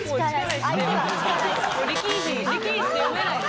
力石って読めないです。